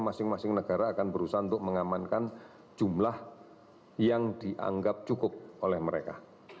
masing masing negara akan berusaha untuk mengamankan jumlah yang dianggap cukup oleh mereka